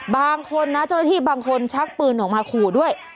บางคนนะเจ้าหน้าที่บางคนชักปืนออกมาขู่ด้วย